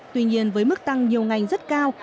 tuy nhiên với mức tăng nhiều ngành rất cao